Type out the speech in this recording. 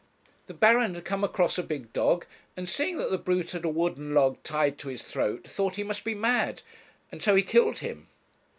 The Baron had come across a big dog, and seeing that the brute had a wooden log tied to his throat, thought he must be mad, and so he killed him.'